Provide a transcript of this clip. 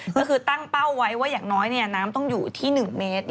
ก็คือตั้งเป้าไว้ว่าอย่างน้อยน้ำต้องอยู่ที่๑เมตร